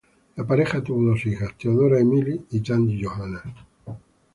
La pareja tuvo dos hijas, Theodora Emily y Tandy Johanna.